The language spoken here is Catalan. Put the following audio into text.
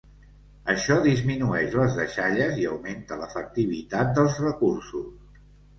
Això disminueix les deixalles i augmenta l'efectivitat dels recursos.